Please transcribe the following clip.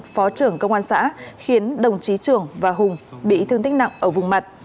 phó trưởng công an xã khiến đồng chí trường và hùng bị thương tích nặng ở vùng mặt